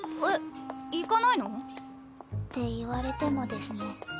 えっ行かないの？って言われてもですね。